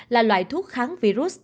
là loại thuốc kháng virus